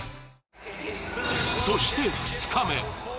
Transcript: そして、２日目。